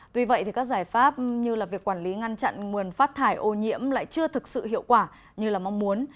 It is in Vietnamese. tuy vậy các giải pháp như việc quản lý ngăn chặn nguồn phát thải ô nhiễm lại chưa thực sự hiệu quả như mong muốn